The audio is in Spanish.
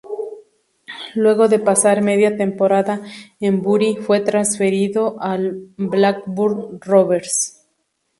Luego de pasar media temporada en Bury fue transferido al Blackburn Rovers.